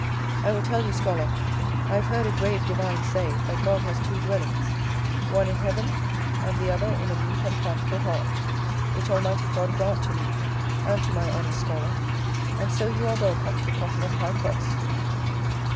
I will tell you, Scholar, I have heard a grave Divine say, that God has two dwellings; one in heaven, and the other in a meek and thankful heart; which Almighty God grant to me, and to my honest Scholar. And so you are welcome to Tottenham High Cross.